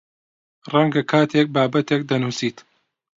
ڕەنگە کاتێک بابەتێک دەنووسیت